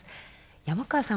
山川さん